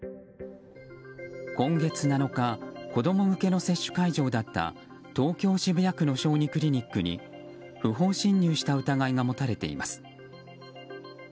今月７日子供向けの接種会場だった東京・渋谷区の小児クリニックに不法侵入した疑いが持たれています。